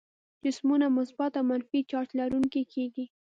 جسمونه مثبت او منفي چارج لرونکي کیږي.